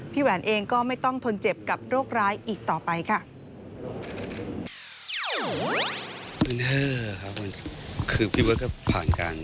แหวนเองก็ไม่ต้องทนเจ็บกับโรคร้ายอีกต่อไปค่ะ